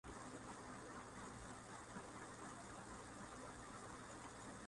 তার এই ধারণা কয়েক দশক ধরে প্রচলিত ছিল।